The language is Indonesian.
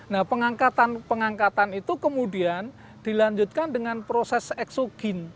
nah pengangkatan pengangkatan itu kemudian dilanjutkan dengan proses exogin